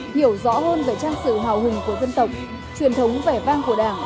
hiểu rõ hơn về trang sử hào hùng của dân tộc truyền thống vẻ vang của đảng